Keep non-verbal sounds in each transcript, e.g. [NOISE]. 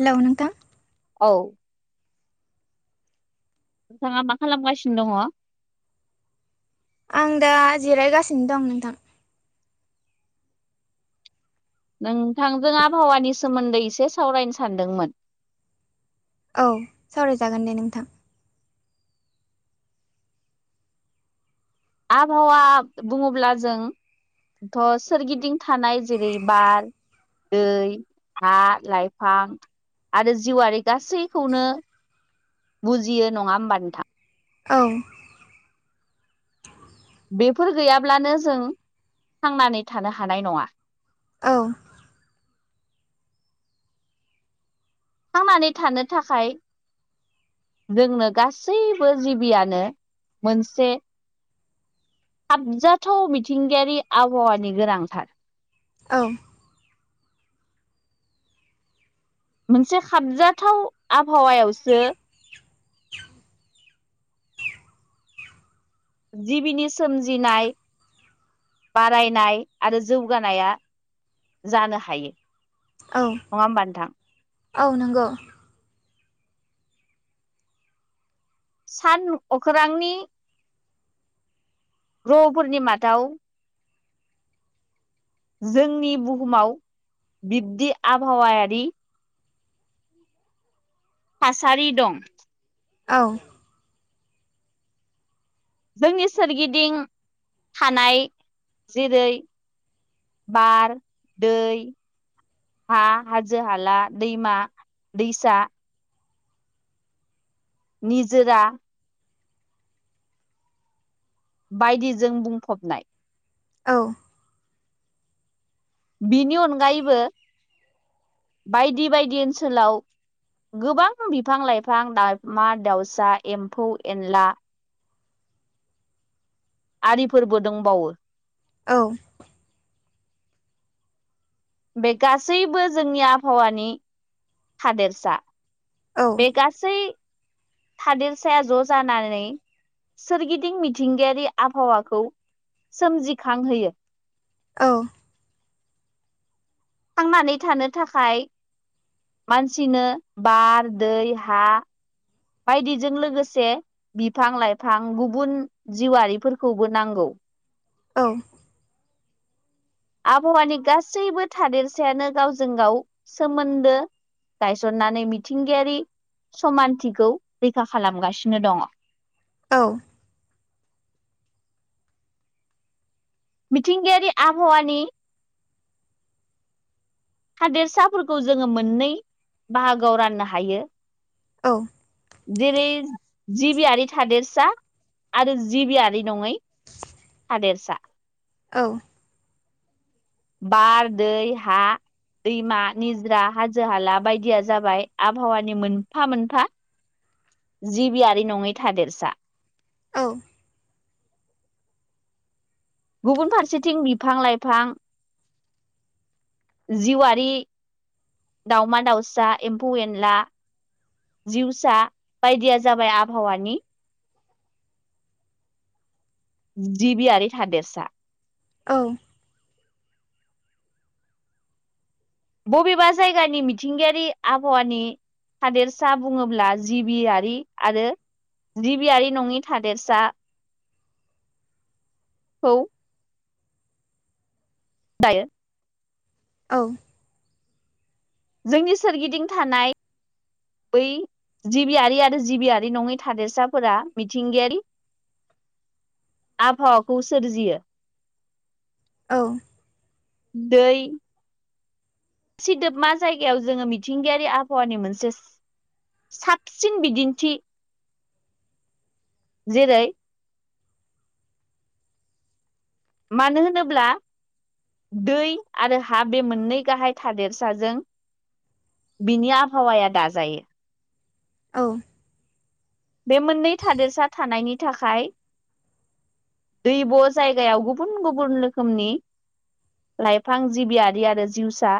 हेल' नोंथां। औ नोंथाङा मा खालामगासिनो दङ आं दा जिरायगासिनो दं नोंथां नोंथांजों आबहावानि सोमोन्दै एसे सावरायनो सानदोंमोन औ सावरायजागोन दे नोंथां। आबहावा बुङोब्ला जों ' सोरगिदिं थानाय जेरै बार दै हा लाइफां आरो जिउआरारि गासैखौनो बुजियो नङा होमबा नोंथां औ बेफोर गैयाब्लानो जों थांनानै थानो हानाय नङा औ थांनानै थानो थाखाय जोंनो गासैबो जिबियानो मोनसे साबजाथाव मिथिंगायारि आबहावानि गोनांथार औ मोनसे खाबजाथाव आबहावायावसो जिबिनि सोमजिनाय बारायनाय आरो जौगानाया जानो हायो। औ नङा होमबा नोंथां औ नंगौ। सान अख्रांनि र'फोरनि माथाव जोंनि बुहुमाव बिब्दि आबहावायारि थासारि दं। औ जोंनि सोरगिदिं थानाय जेरै बार दै हा हाजो हला दैैमा दैसा निजोरा बायदिजों बुंफबनाय औ। बिनि अनगायैबो बायदि बायदि ओनसोलाव गोबां बिफां लाइफां दाउमा दाउस एम्फौ एनला आरिफोरबो दंबावो। औ बे गासैबो जोंनि आबहावानि हादेरसा औ बे गासै गासै थादेरसाया ज' जानानै सोरगिदिं मिथिंगायारि आबहावाखौ सोमजिखांहोयो। औ। थांनानै थानो थाखाय मानसिनो बार, दै, हा बायदिजों लोगोसे बिफां लाइफां गुबुन जिउआारिफोरखौबो नांगौ औ आबहावानि गासैबो थादेरसायानो गावजों गाव सोमोन्दो गायसननानै मिथिंगायारि समानथिखौ रैखा खालामगासिनो दङ औ मिथिंगायारि आबहावानि हादेरसाफोरखौ जोङो मोननै बाहागोआव राननो हायो औ जेरै- जिबियारि थादेरसा आरो जिबियारि नङै आदेरसा औ बार, दै, हा दैमा, निजरा हाजो हाला बायदिया जाबाय आबहावानि मोनफा मोनफा जिबियारि नङै थादेरसा औ गुबुन फारसेथिं बिफां लाइफां जिउआारि दाउमा -दाउसा, एम्फौ -एनला जिउसा बायदिया जाबाय आबहावानि जिबियारि थादेरसा औ बबेबा जायगानि मिथिंगायारि आबहावानि हादेरसा बुङोब्ला जिबियारि आरो जिबियारि नङि थादेरसाखौ दायो। औ जोंनि सोरगिदिं थानाय बै जिबियारि आरो जिबियारि नङै थादेरसाफोरा मिथिंगायारि आबहावाखौ सोरजियो। औ दैै सिदोबमा जायगायाव जोङो मिथिंगायारि आबहावानि मोनसे साबसिन बिदिन्थि जेरै- मानो होनोब्ला दै आरो हा बे मोननै गाहाय थादेरसाजों बिनि आबहावाया दाजायो। औ बे मोननै थादेरसा थानायनि थाखाय दैब' जायगायाव गुबुन गुबुन रोखोमनि लाइफां जिबियारि आरो जिउसा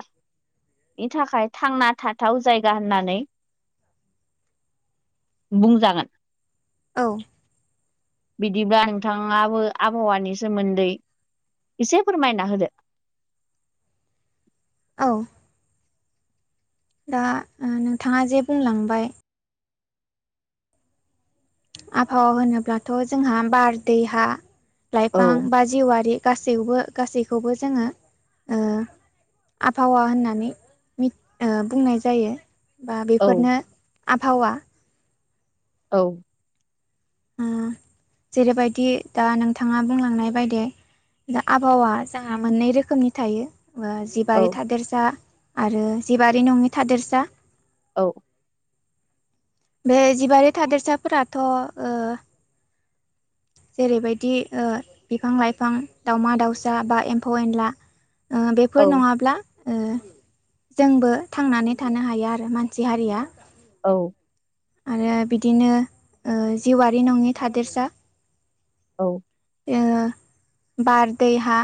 थाखाय थांना थाथाव जायगा होननानै बुंजागोन। औ। बिदिब्ला नोंथाङाबो आबहावानि सोमोन्दै एसे फोरमायना होदो। औ। दा उह नोंथाङा जे बुंलांबाय आबहावा होनोब्लाथ' जोंहा बार, दै, हा, औ लाइफां बा जिउआरि गासैबो गासैखौबो जोङो आबहावा होननानै उह बुंनाय जायो बा औ बेफोरनो आबहावा औ उह जेरैबायदि दा नोंथाङा बुंलांनाय बायदि। दा आबहावा जोंहा मोननै रोखोमनि थायो उह औ जिबारि थादेरसा आरो जिबारि नङि थादेरसा औ। बे जिबारि थादेरसाफोराथ' उह जेरैबायदि उह बिफां लाइफां दाउमा दाउसा बा एम्फौ एनला उह बेफोर औ नङाब्ला उह जोंबो थांनानै थानो हाया आरो मानसि हारिया। औ। आरो बिदिनो उह जिवारि नङि थादेरसा औ। उह बार दैै हा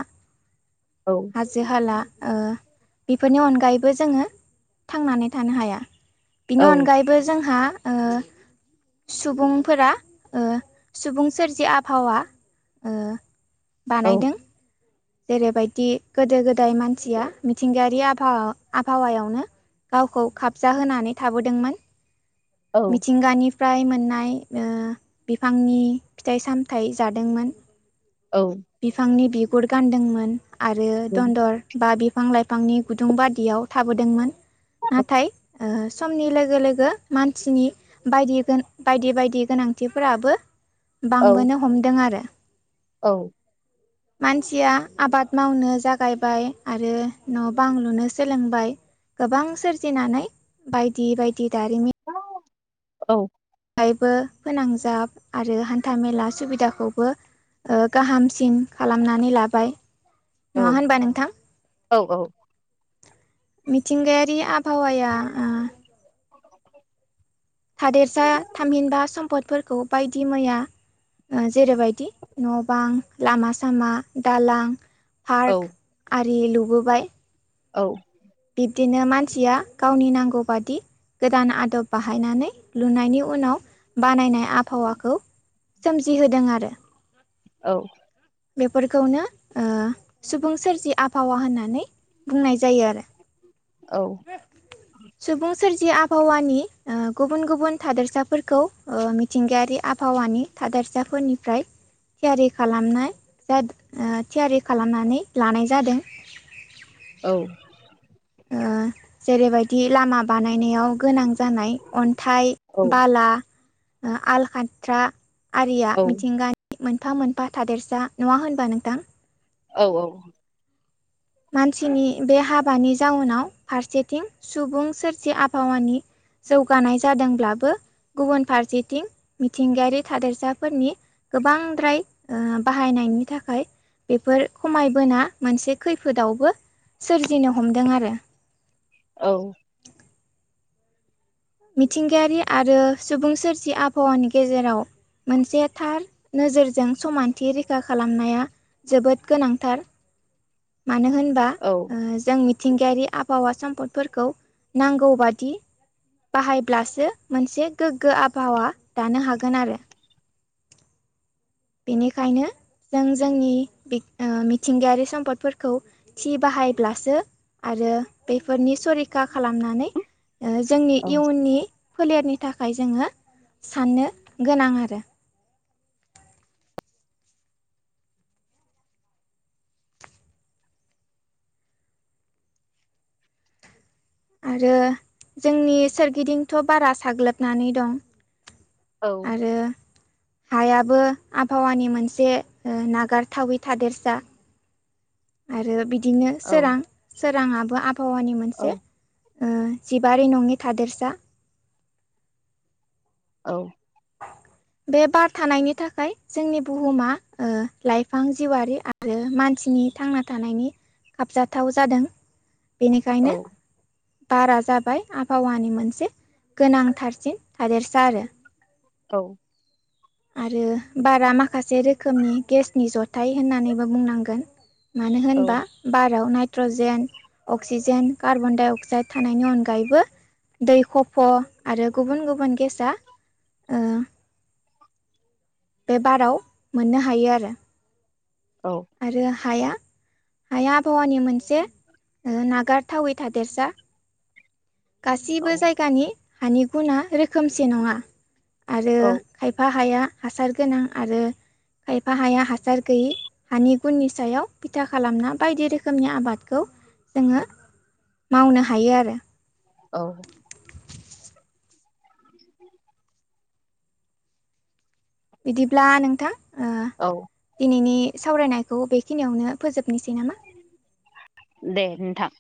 औ हाजो हाला उह बेफोरनि अनगायैबो जोङो थांनानै थानो हाया बिनि औ अनगायैबो जोंहा ओ [INAUDIBLE] सुबुंफोरा उह सुबुं सोरजि आबहावा ओ [INAUDIBLE] बानायदों जेरैबायदि गोदो गोदाय मानसिया मिथिंगायारि आबहावा आबहावायावनो गावखौ खाबजा होनानै थाबोदोंमोन मिथिंगानि फ्राय मोननाय उह बिफांनि फिथाइ सामथायाइ जादोंमोन। औ। बिफांनि बिगुर गानदोंमोन आरो दनदर बा बिफां लाइफांनि गुदुं बायदियाव थाबोदोंमोन नाथाय उह समनि लोगो लोगो मानसिनि बायदि गोन बायदि बायदि गोनांथिफोराबो औ बांबोनो हमदों आरो औ। मानसिया आबाद मावनो जागायबाय आरो न' बां लुनो सोलोंबाय गोबां सोरजिनानै बायदि बायदि दारिमिन औ। बायबो फोनांजाब आरो हान्था मेला सुबिदाखौबो उह गाहामसिन खालामनानै लाबाय। नङा औ होनबा नोंथां? औ औ मिथिंगायारि आबहावाया उह [INAUDIBLE] थादेरसा थामहिनबा सम्पदफोरखौ बायदि मैया उह जेरैबायदि न' बां लामा सामा दालां औ पार्क आरि लुबोबाय‌ औ। बिब्दिनो मानसिया गावनि नांगौ बादि गोदान आदब बाहायनानै बान ओ बेफोरखौनो ओ सुबुं सोरजि आबहावा होननानै बुंनाय जायो आरो औ। सुबुं सोरजि आबहावानि उह गुबुन गुबुन थादेरसाफोरखौ उह मिथिंगायारि आबहावानि थादेरसाफोरनिफ्राय थियारि खालामनाय जादों ओ थियारि खालामनानै लानाय जादों। औ ओ गोनां जानाय अन्थाइ औ बाला ओ आल खाथ्रा आरिया औ मिथिंगा औ औ मानसिनि बे हाबानि जाउनाव फारसेथिं सुबुं सोरजि आबहावानि जौगा गोबांद्राय ओ बाहायनायनि थाखाय बेफोर खमायबोना मोनसे खैफोदावबो सोरजिनो हमदों आरो औ मिथ मोनसे थार नो माने बाहायब्लासो मोनसे गोग्गो आबहावा दानो हागोन आरो बेनिखाय जों जोंनि बि ओ मिथिंगायारि सम्पदफोरखौ थि बाहायब्लासो आरो बेफोरनि सरिखा खालामनानै ओ जोंनि इयुननि फोलेरनि थाखाय जोङो साननो गोनां आरो आरो जोंनि सोरगिदिंथ' बारा साग्लोबनानै दं औ आरो हायाबो आबहावानि मोनसे नागारथावै थादेरसा आरो बिदिनो सोरां सोराङाबो आबहावानि मोनसे ओ जिबारि नङि थादेरसा औ बे बार थानायनि थाखाय जोंनि बुहुमा ओ लाइफां जिउआरि आ आरो मानसिनि थांना थानायनि साबजाथाव जादों बेनिखायनो बारा जाबाय आबहावानि मोनसे गोनांथारसिन थादेरसा आरो औ आरो बारा माखासे रोखोमनि गेसनि जथाय होननानैबो बुंनांगोन मानो होनोबा बाराव nitrogen oxygen carbon dioxide थानायनि अनगायैबो दै खफ' आरो गुबुन गुबुन गेसआ ओ [UNINTELLIGIBLE] बे बाराव मोननो हायो आरो औ आरो हाया हाया आबहावानि मोनसे नागारथावै थादेरसा गासैबो जायगानि हानि गुना रोखोमसे नङा आरो औ खायफा हाया हासार गोनां आरो खायफा हाया हासार गैयि हानि गुननि सायाव बिथा खालामना बायदि रोखोमनि आबादखौ जोङो मावनो हायो आरो औ [INAUDIBLE] बिदिब्ला नोंथां ओ औ दिनैनि सावरायनायखौ बेखिनियावनो फोजोबनोसै नामा? दे नोंथां